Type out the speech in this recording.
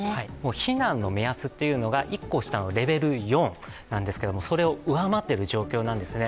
避難の目安というのが１個下のレベル４なんですけども、それを上回っている状況なんですね。